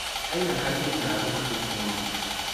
Hay una calle en Zaragoza con su nombre.